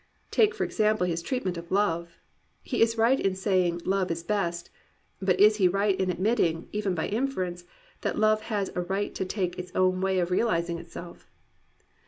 Take for example his treatment of love. He is right in saying "Love is best." But is he right in admitting, even by inference, that love has a right to take its own way of realizing itself.'